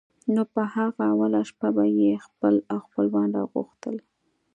نو په هغه اوله شپه به یې خپل او خپلوان را غوښتل.